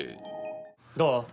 どう？